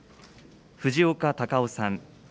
藤岡隆雄さん。